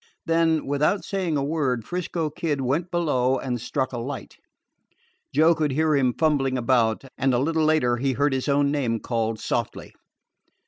Then, without saying a word, 'Frisco Kid went below and struck a light. Joe could hear him fumbling about, and a little later heard his own name called softly.